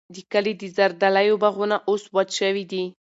د کلي د زردالیو باغونه اوس وچ شوي دي.